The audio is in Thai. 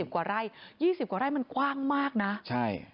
กว่าไร่๒๐กว่าไร่มันกว้างมากนะใช่